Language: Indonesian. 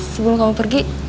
sebelum kamu pergi